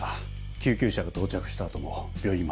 救急車が到着したあとも病院まで一緒に。